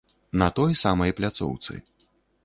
На той самай пляцоўцы.